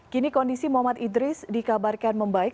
kini kondisi muhammad idris dikabarkan membaik